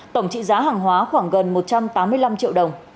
tổng trị giá hàng hóa khoảng gần một trăm tám mươi năm triệu đồng